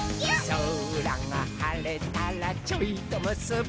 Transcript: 「そらがはれたらちょいとむすび」